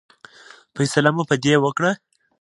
فیصله مو په دې وکړه.